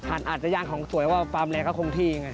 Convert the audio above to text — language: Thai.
ถ่านอัดจะย่านของสวยล่ะว่าคอมพี่ที่นะครับ